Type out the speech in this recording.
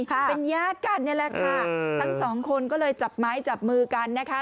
เป็นญาติกันนี่แหละค่ะทั้งสองคนก็เลยจับไม้จับมือกันนะคะ